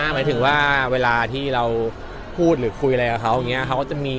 หมายถึงว่าเวลาที่เราพูดหรือคุยอะไรกับเขาอย่างนี้เขาก็จะมี